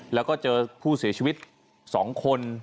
แล้วก็เจอผู้เสียชีวิต๒คน